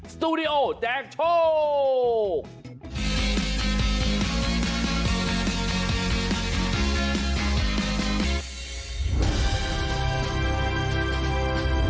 สตูดิโอแจกโชค